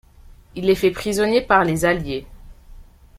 Il est fait prisonnier par les alliés.